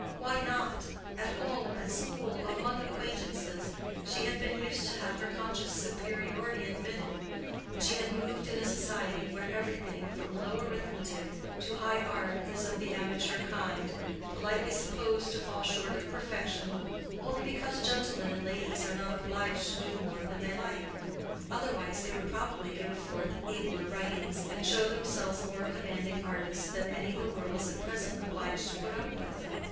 Why not? At home, at school, among acquaintances, she had been used to have her conscious superiority admitted; and she had moved in a society where everything, from low arithmetic to high art, is of the amateur kind, politely supposed to fall short of perfection only because gentlemen and ladies are not obliged to do more than they like—otherwise they would probably give forth abler writings, and show themselves more commanding artists than any the world is at present obliged to put up with.